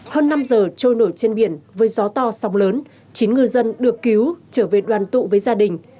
hơn năm giờ trôi nổi trên biển với gió to sóng lớn chín ngư dân được cứu trở về đoàn tụ với gia đình